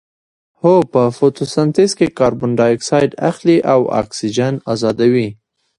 هو په فتوسنتیز کې کاربن ډای اکسایډ اخلي او اکسیجن ازادوي